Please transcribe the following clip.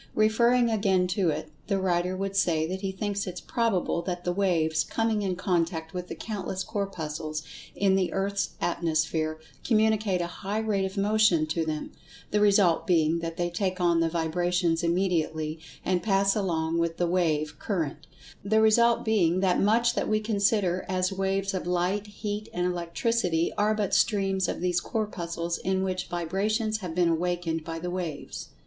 Referring again to it, the writer would say that he thinks it probable that the "waves" coming in contact with the countless Corpuscles in the Earth's atmosphere, communicate a high rate of motion to them, the result being that they take on the vibrations immediately, and pass along with the "wave" current—the result being that much that we consider as waves of Light, Heat and Electricity are but streams of these Corpuscles in which vibrations have been awakened by the "waves."